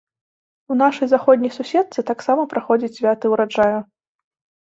У нашай заходняй суседцы таксама праходзяць святы ўраджаю.